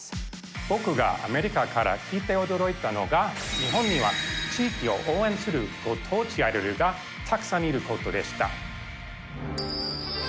僕がアメリカから来て驚いたのが日本には地域を応援するご当地アイドルがたくさんいることでした。